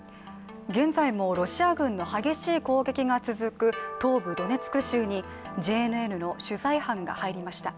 現在もロシア軍の激しい攻撃が続く東部ドネツク州にＪＮＮの取材班が入りました。